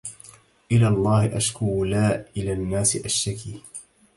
إلى الله أشكو لا إلى الناس أشتكي